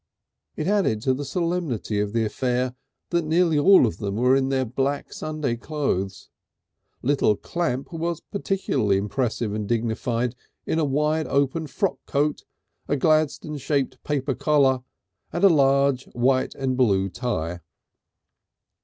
It added to the solemnity of the affair that nearly all of them were in their black Sunday clothes; little Clamp was particularly impressive and dignified in a wide open frock coat, a Gladstone shaped paper collar, and a large white and blue tie.